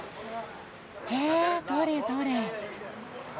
へえどれどれ。